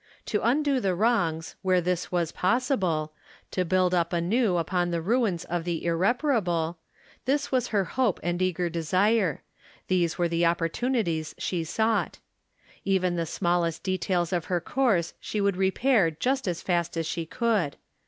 To undo the wrongs, where this was possible ; to build up anew upon the ruins of the " irreparable ; this was her hope and eager desire ; these were the opportimities she sought. Even the smallest details of her course she would re pair just as fast as she could.